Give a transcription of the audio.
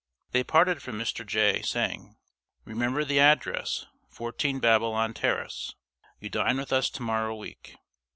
They parted from Mr. Jay, saying: "Remember the address 14 Babylon Terrace. You dine with us to morrow week."